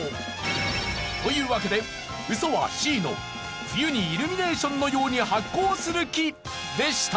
というわけでウソはＣの冬にイルミネーションのように発光する木でした。